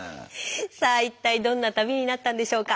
さあ一体どんな旅になったんでしょうか？